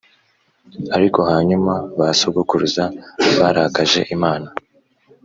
Ariko hanyuma ba sogokuruza barakaje Imana